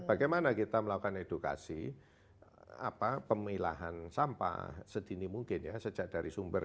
bagaimana kita melakukan edukasi pemilahan sampah sedini mungkin ya sejak dari sumber